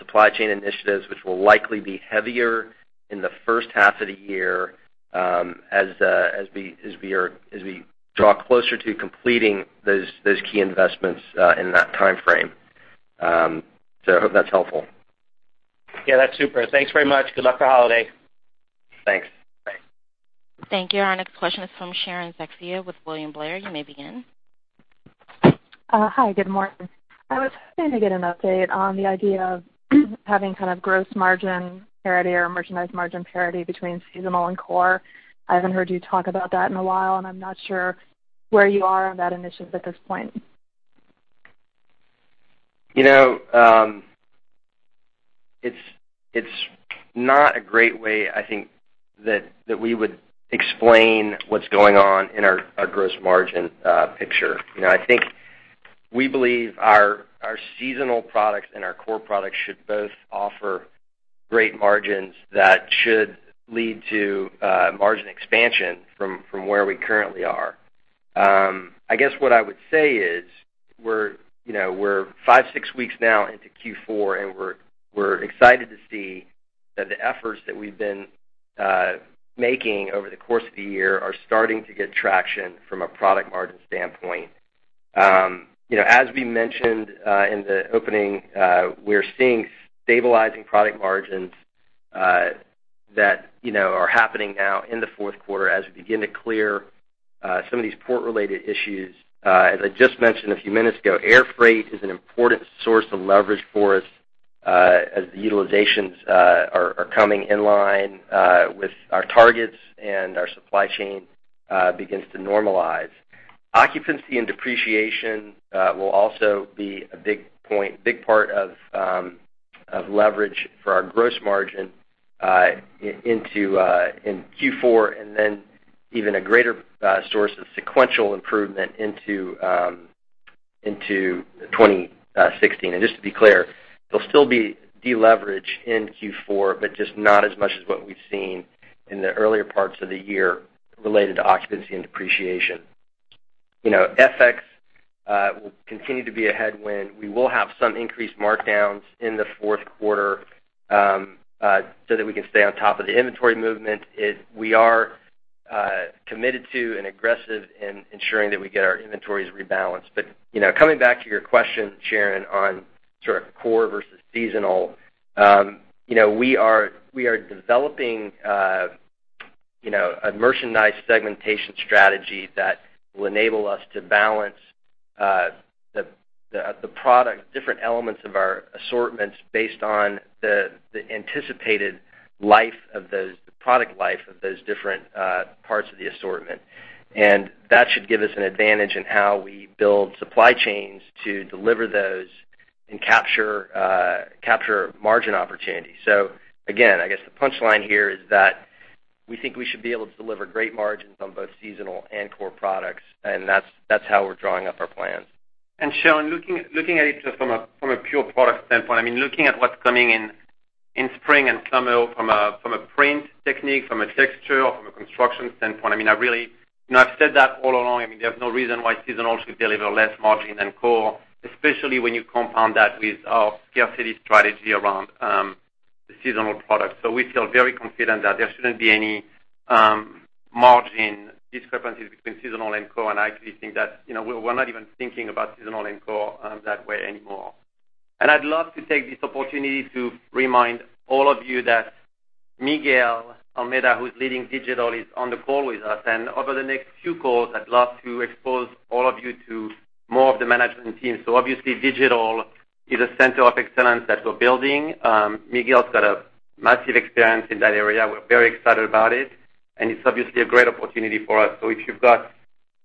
supply chain initiatives, which will likely be heavier in the first half of the year as we draw closer to completing those key investments in that timeframe. I hope that's helpful. Yeah, that's super. Thanks very much. Good luck for holiday. Thanks. Bye. Thank you. Our next question is from Sharon Zackfia with William Blair. You may begin. Hi, good morning. I was hoping to get an update on the idea of having kind of gross margin parity or merchandise margin parity between seasonal and core. I haven't heard you talk about that in a while, and I'm not sure where you are on that initiative at this point. It's not a great way, I think, that we would explain what's going on in our gross margin picture. I think we believe our seasonal products and our core products should both offer great margins that should lead to margin expansion from where we currently are. I guess what I would say is we're five, six weeks now into Q4, and we're excited to see that the efforts that we've been making over the course of the year are starting to get traction from a product margin standpoint. As we mentioned in the opening, we're seeing stabilizing product margins that are happening now in the fourth quarter as we begin to clear some of these port-related issues. As I just mentioned a few minutes ago, air freight is an important source of leverage for us as the utilizations are coming in line with our targets and our supply chain begins to normalize. Occupancy and depreciation will also be a big part of leverage for our gross margin in Q4 and then even a greater source of sequential improvement into 2016. Just to be clear, there'll still be deleverage in Q4, but just not as much as what we've seen in the earlier parts of the year related to occupancy and depreciation. FX will continue to be a headwind. We will have some increased markdowns in the fourth quarter so that we can stay on top of the inventory movement. We are committed to and aggressive in ensuring that we get our inventories rebalanced. Coming back to your question, Sharon, on sort of core versus seasonal. We are developing a merchandise segmentation strategy that will enable us to balance the product, different elements of our assortments based on the anticipated product life of those different parts of the assortment. That should give us an advantage in how we build supply chains to deliver those and capture margin opportunities. Again, I guess the punchline here is that we think we should be able to deliver great margins on both seasonal and core products, and that's how we're drawing up our plans. Sharon, looking at it just from a pure product standpoint, looking at what's coming in spring and summer from a print technique, from a texture, from a construction standpoint. I've said that all along. There's no reason why seasonal should deliver less margin than core, especially when you compound that with our scarcity strategy around the seasonal product. We feel very confident that there shouldn't be any margin discrepancies between seasonal and core, and I actually think that we're not even thinking about seasonal and core that way anymore. I'd love to take this opportunity to remind all of you that Miguel Almeida, who's leading digital, is on the call with us. Over the next few calls, I'd love to expose all of you to more of the management team. Obviously, digital is a center of excellence that we're building. Miguel's got massive experience in that area. We're very excited about it, and it's obviously a great opportunity for us. If you've got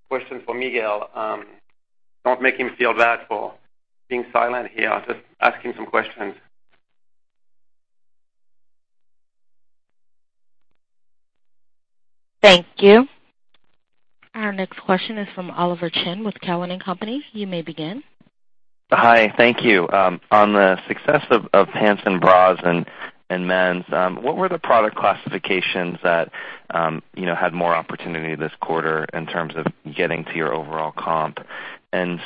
questions for Miguel, don't make him feel bad for being silent here. Just ask him some questions. Thank you. Our next question is from Oliver Chen with Cowen and Company. You may begin. Hi, thank you. On the success of pants and bras and men's, what were the product classifications that had more opportunity this quarter in terms of getting to your overall comp?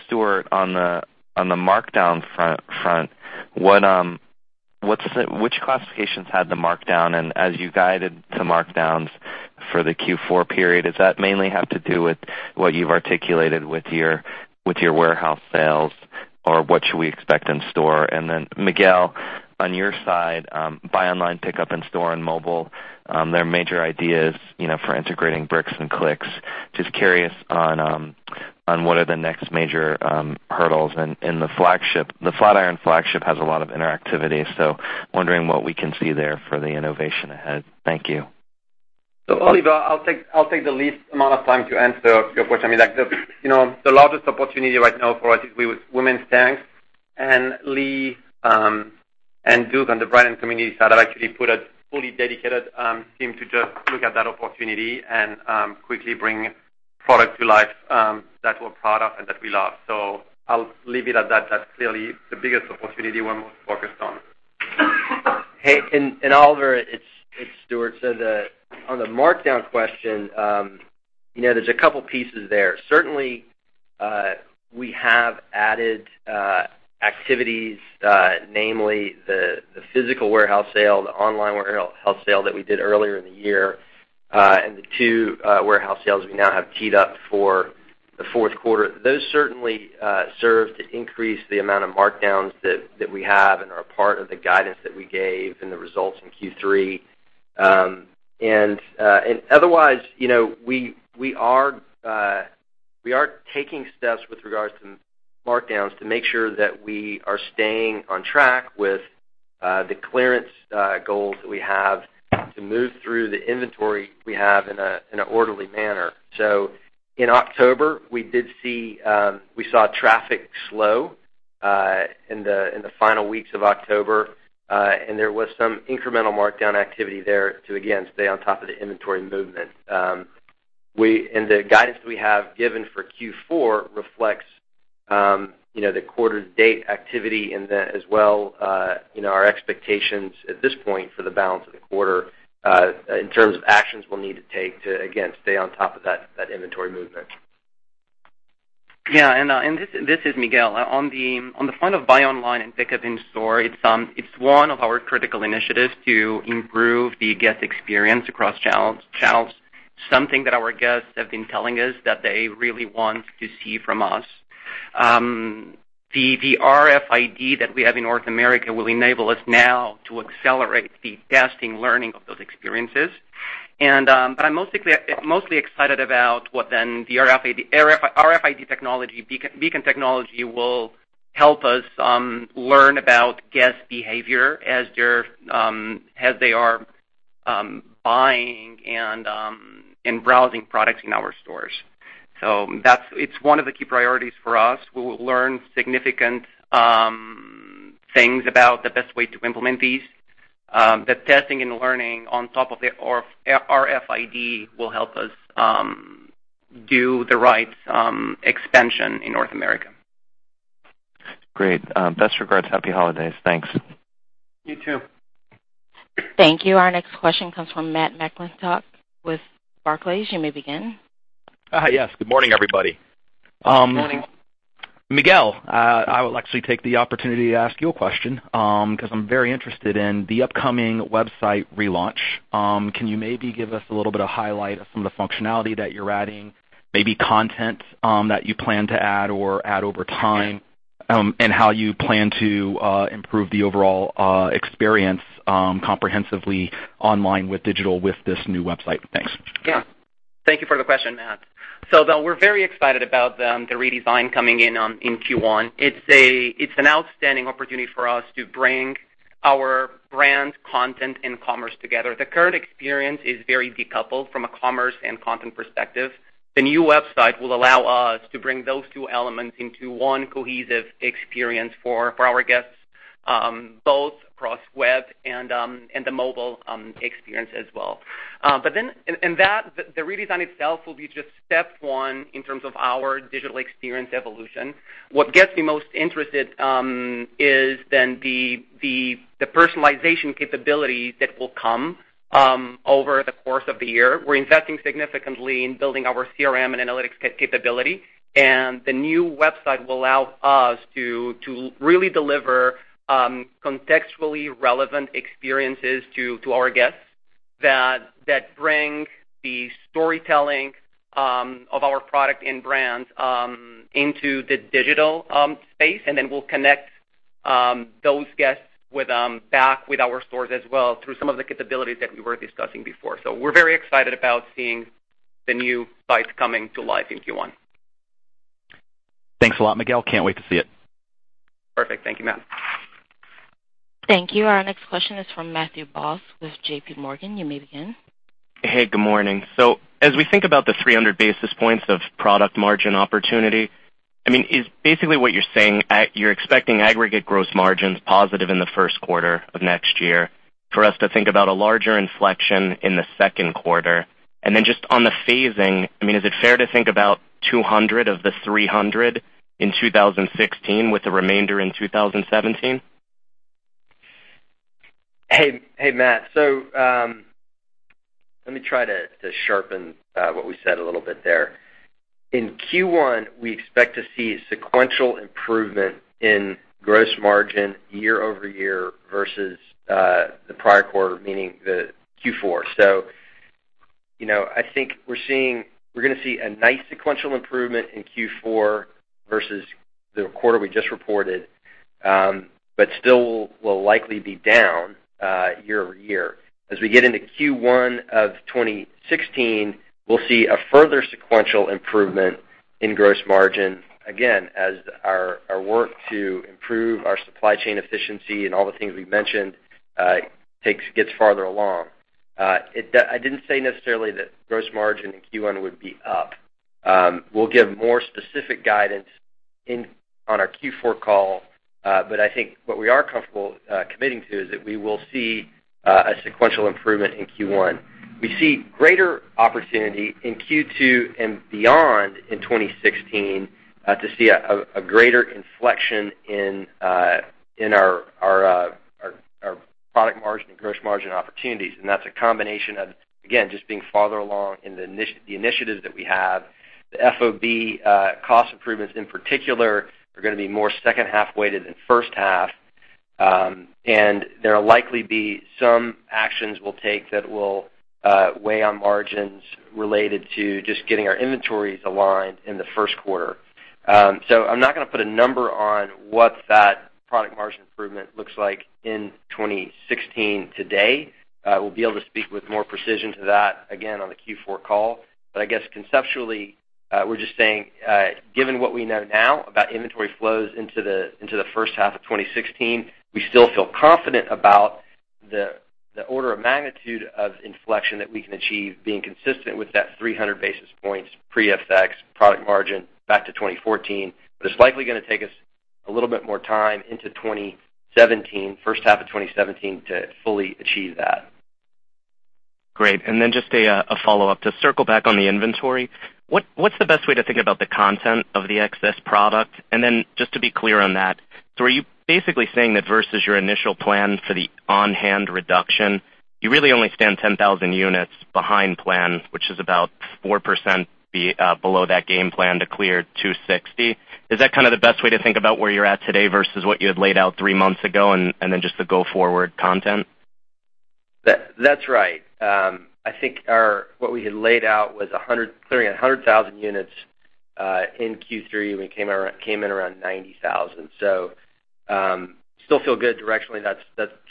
Stuart, on the markdown front, Which classifications had the markdown? As you guided the markdowns for the Q4 period, does that mainly have to do with what you've articulated with your warehouse sales? What should we expect in store? Miguel, on your side, buy online, pickup in store and mobile, they're major ideas for integrating bricks and clicks. Just curious on what are the next major hurdles in the flagship. The Flatiron flagship has a lot of interactivity, so wondering what we can see there for the innovation ahead. Thank you. Oliver, I'll take the least amount of time to answer your question. The largest opportunity right now for us is with women's tanks, Lee and Duke on the branding community side have actually put a fully dedicated team to just look at that opportunity and quickly bring product to life that we're proud of and that we love. I'll leave it at that. That's clearly the biggest opportunity we're most focused on. Hey, Oliver, it's Stuart. On the markdown question, there's a couple pieces there. Certainly, we have added activities, namely the physical warehouse sale, the online warehouse sale that we did earlier in the year, and the two warehouse sales we now have teed up for the fourth quarter. Those certainly serve to increase the amount of markdowns that we have and are a part of the guidance that we gave and the results in Q3. Otherwise, we are taking steps with regards to markdowns to make sure that we are staying on track with the clearance goals that we have to move through the inventory we have in an orderly manner. In October, we saw traffic slow in the final weeks of October. There was some incremental markdown activity there to, again, stay on top of the inventory movement. The guidance we have given for Q4 reflects the quarter to date activity and then as well our expectations at this point for the balance of the quarter in terms of actions we'll need to take to, again, stay on top of that inventory movement. This is Miguel. On the front of buy online and pickup in store, it's one of our critical initiatives to improve the guest experience across channels. Something that our guests have been telling us that they really want to see from us. The RFID that we have in North America will enable us now to accelerate the testing, learning of those experiences. I'm mostly excited about what then the RFID technology, beacon technology will help us learn about guest behavior as they are buying and browsing products in our stores. It's one of the key priorities for us. We will learn significant things about the best way to implement these. The testing and learning on top of the RFID will help us do the right expansion in North America. Great. Best regards. Happy holidays. Thanks. You too. Thank you. Our next question comes from Matt McClintock with Barclays. You may begin. Yes. Good morning, everybody. Morning. Miguel, I will actually take the opportunity to ask you a question, because I'm very interested in the upcoming website relaunch. Can you maybe give us a little bit of highlight of some of the functionality that you're adding, maybe content that you plan to add or add over time, and how you plan to improve the overall experience comprehensively online with digital with this new website? Thanks. Yeah. Thank you for the question, Matt. We're very excited about the redesign coming in Q1. It's an outstanding opportunity for us to bring our brand, content, and commerce together. The current experience is very decoupled from a commerce and content perspective. The new website will allow us to bring those two elements into one cohesive experience for our guests, both across web and the mobile experience as well. The redesign itself will be just step one in terms of our digital experience evolution. What gets me most interested is then the personalization capability that will come over the course of the year. We're investing significantly in building our CRM and analytics capability. The new website will allow us to really deliver contextually relevant experiences to our guests that bring the storytelling of our product and brands into the digital space. We'll connect those guests back with our stores as well through some of the capabilities that we were discussing before. We're very excited about seeing the new site coming to life in Q1. Thanks a lot, Miguel. Can't wait to see it. Perfect. Thank you, Matt. Thank you. Our next question is from Matthew Boss with JPMorgan. You may begin. Hey, good morning. As we think about the 300 basis points of product margin opportunity, is basically what you're saying, you're expecting aggregate gross margins positive in the first quarter of next year for us to think about a larger inflection in the second quarter? Then just on the phasing, is it fair to think about 200 of the 300 in 2016 with the remainder in 2017? Hey, Matt. Let me try to sharpen what we said a little bit there. In Q1, we expect to see sequential improvement in gross margin year-over-year versus the prior quarter, meaning the Q4. I think we're going to see a nice sequential improvement in Q4 versus the quarter we just reported, but still will likely be down year-over-year. As we get into Q1 of 2016, we'll see a further sequential improvement in gross margin, again, as our work to improve our supply chain efficiency and all the things we've mentioned gets farther along. I didn't say necessarily that gross margin in Q1 would be up. We'll give more specific guidance on our Q4 call, I think what we are comfortable committing to is that we will see a sequential improvement in Q1. We see greater opportunity in Q2 and beyond in 2016 to see a greater inflection in our product margin and gross margin opportunities. That's a combination of, again, just being farther along in the initiatives that we have. The FOB cost improvements in particular are going to be more second half weighted than first half. There will likely be some actions we'll take that will weigh on margins related to just getting our inventories aligned in the first quarter. I'm not going to put a number on what that product margin improvement looks like in 2016 today. We'll be able to speak with more precision to that, again, on the Q4 call. I guess conceptually, we're just saying, given what we know now about inventory flows into the first half of 2016, we still feel confident about the order of magnitude of inflection that we can achieve being consistent with that 300 basis points pre-FX product margin back to 2014. It's likely going to take us a little bit more time into first half of 2017 to fully achieve that. Great. Just a follow-up. To circle back on the inventory, what's the best way to think about the content of the excess product? Just to be clear on that, are you basically saying that versus your initial plan for the on-hand reduction, you really only stand 10,000 units behind plan, which is about 4% below that game plan to clear 260? Is that the best way to think about where you're at today versus what you had laid out three months ago, and then just the go-forward content? That's right. I think what we had laid out was clearing 100,000 units in Q3. We came in around 90,000. Still feel good directionally that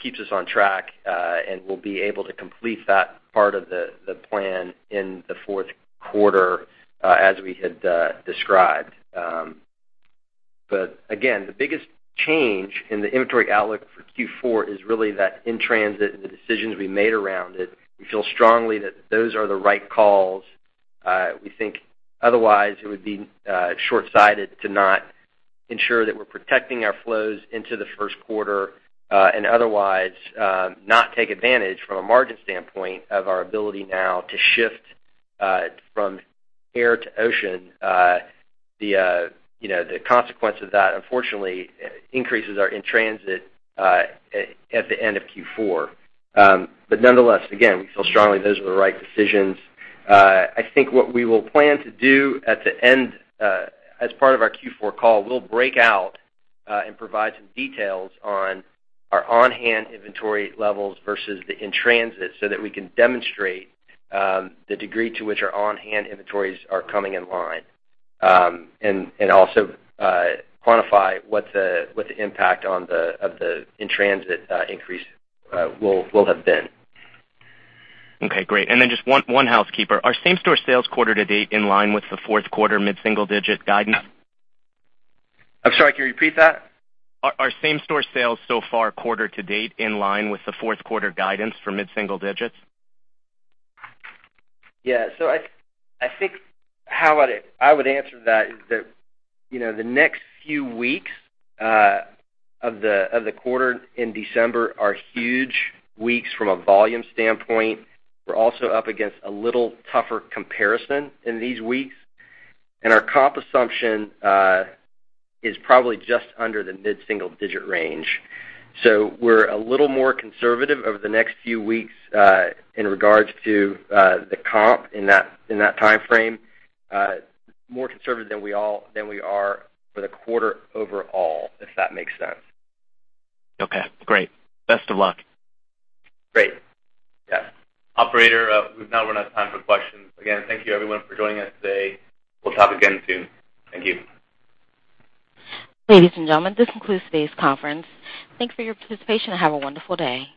keeps us on track, and we'll be able to complete that part of the plan in the fourth quarter, as we had described. Again, the biggest change in the inventory outlook for Q4 is really that in-transit and the decisions we made around it, we feel strongly that those are the right calls. We think otherwise it would be shortsighted to not ensure that we're protecting our flows into the first quarter, and otherwise not take advantage from a margin standpoint of our ability now to shift from air to ocean. The consequence of that, unfortunately, increases our in-transit at the end of Q4. Nonetheless, again, we feel strongly those are the right decisions. I think what we will plan to do at the end as part of our Q4 call, we'll break out and provide some details on our on-hand inventory levels versus the in-transit, so that we can demonstrate the degree to which our on-hand inventories are coming in line. Also quantify what the impact of the in-transit increase will have been. Okay, great. Just one housekeeper. Are same-store sales quarter to date in line with the fourth quarter mid-single digit guidance? I'm sorry, can you repeat that? Are same-store sales so far quarter to date in line with the fourth quarter guidance for mid-single digits? Yeah. I think how I would answer that is that the next few weeks of the quarter in December are huge weeks from a volume standpoint. We're also up against a little tougher comparison in these weeks. Our comp assumption is probably just under the mid-single digit range. We're a little more conservative over the next few weeks in regards to the comp in that timeframe. More conservative than we are for the quarter overall, if that makes sense. Okay, great. Best of luck. Great. Yeah. Operator, we've now run out of time for questions. Again, thank you everyone for joining us today. We'll talk again soon. Thank you. Ladies and gentlemen, this concludes today's conference. Thanks for your participation, and have a wonderful day.